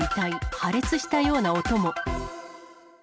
破裂したような音も。